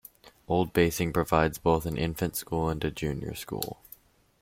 Old Basing provides both an infant school and a junior school.